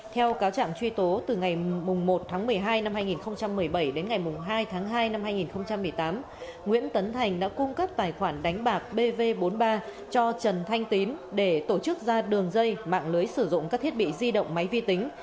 theo cáo trạng truy tố từ ngày một tháng một mươi hai năm hai nghìn một mươi bảy đến ngày hai tháng hai năm hai nghìn một mươi tám nguyễn tấn thành đã cung cấp tài khoản đánh bạc bv bốn mươi ba cho trần thanh tín để tổ chức ra đường dây mạng lưới sử dụng các thiết bị di động máy vi tính